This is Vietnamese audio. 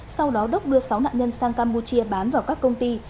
sau đó đốc đưa sáu nạn nhân sang campuchia bán vào các công ty